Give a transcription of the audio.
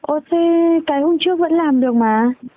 ồ thì cái hôm trước vẫn làm được mà